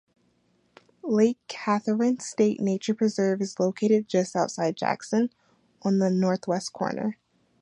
Lake Katharine State Nature Preserve is located just outside Jackson, on the northwest corner.